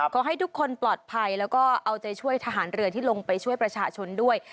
ขอให้ทุกคนปลอดภัยแล้วก็เอาใจช่วยทหารเรือที่ลงไปช่วยประชาชนด้วย